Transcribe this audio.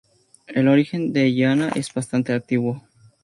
El origen de Illana es bastante antiguo.